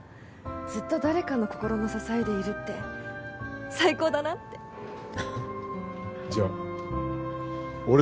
ずっと誰かの心の支えでいるって最高だなってハハッじゃあ俺